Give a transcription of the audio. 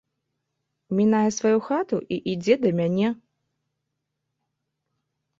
Мінае сваю хату, і ідзе да мяне.